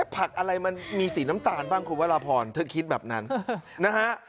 ผักอะไรมันมีสีน้ำตาลบ้างคุณวรพรเธอคิดแบบนั้นนะฮะ